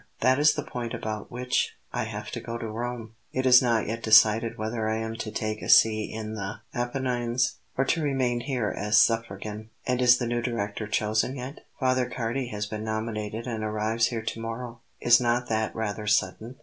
"That is the point about which I have to go to Rome. It is not yet decided whether I am to take a see in the Apennines, or to remain here as Suffragan." "And is the new Director chosen yet?" "Father Cardi has been nominated and arrives here to morrow." "Is not that rather sudden?"